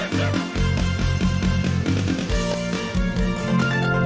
สวัสดีครับ